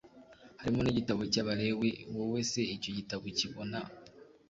harimo n igitabo cy Abalewi Wowe se icyo gitabo ukibona